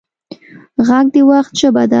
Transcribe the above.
غږ د وخت ژبه ده